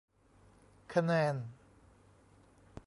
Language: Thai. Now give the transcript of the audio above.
คะแนน